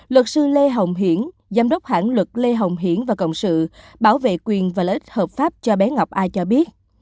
luật sư lê hồng hiển giám đốc hãng luật lê hồng hiển và cộng sự bảo vệ quyền và lợi ích hợp pháp cho bé ngọc ai cho biết